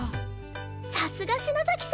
さすが篠崎さん！